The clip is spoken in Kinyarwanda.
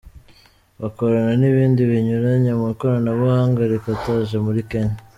Bakora n’ibindi binyuranye mu ikoranabuhanga rikataje muri Kenya.